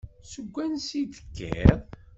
Seg wansi i d-tekkiḍ?